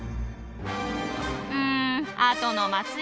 うんあとの祭り。